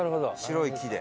白い木で。